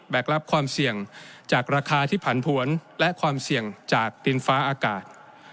รับความเสี่ยงจากราคาที่ผันผวนและความเสี่ยงจากดินฟ้าอากาศ